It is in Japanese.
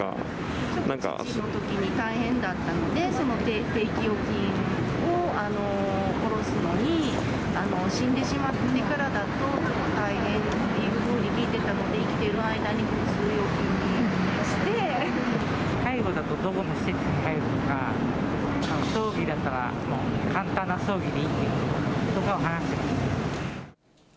父のときに大変だったので、その定期預金を下ろすのに、死んでしまってからだとちょっと大変だというふうに聞いていたの介護だと、どこの施設に入るとか、葬儀だったら、簡単な葬儀でいいとかは話してます。